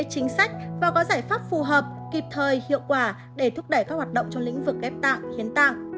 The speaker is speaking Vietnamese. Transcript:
chính sách và có giải pháp phù hợp kịp thời hiệu quả để thúc đẩy các hoạt động trong lĩnh vực ghép tạng hiến tạng